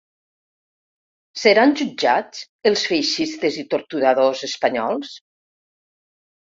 Seran jutjats els feixistes i torturadors espanyols?